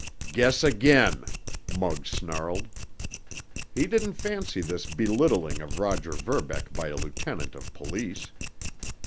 "Guess again!" Muggs snarled. He didn't fancy this belittling of Roger Verbeck by a lieutenant of police.